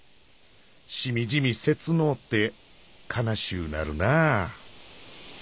しみじみせつのうてかなしゅうなるなあ。